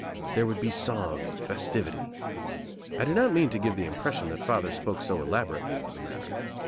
There would be song and festivity. I do not mean to give the impression that father spoke so elaborately of the matter.